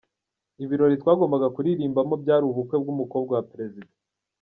Ibirori twagombaga kuririmbamo, byari ubukwe bw’umukobwa wa Perezida.